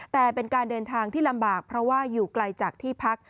แต่เป็นการเดินทางที่ลำบากเพราะว่าอยู่ไกลจากที่พัก